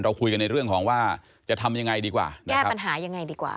คุยกันในเรื่องของว่าจะทำยังไงดีกว่าแก้ปัญหายังไงดีกว่า